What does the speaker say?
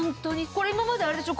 これ今まであれでしょ？